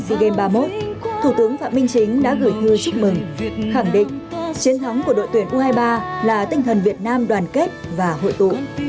sea games ba mươi một thủ tướng phạm minh chính đã gửi thư chúc mừng khẳng định chiến thắng của đội tuyển u hai mươi ba là tinh thần việt nam đoàn kết và hội tụ